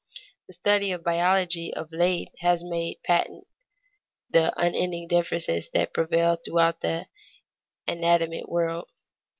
The study of biology of late has made patent the unending differences that prevail throughout the animate world.